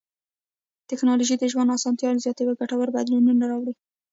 ټکنالوژي د ژوند اسانتیاوې زیاتوي او ګټور بدلونونه راولي.